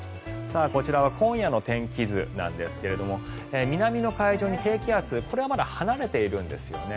こちらは今夜の天気図なんですが南の海上に低気圧、これはまだ離れているんですよね。